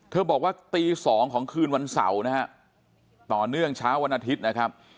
บอกว่าตี๒ของคืนวันเสาร์นะฮะต่อเนื่องเช้าวันอาทิตย์นะครับ